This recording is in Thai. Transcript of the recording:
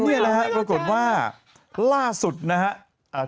นี่แหละฮะปรากฏว่าล่าสุดนะครับ